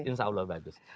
insya allah bagus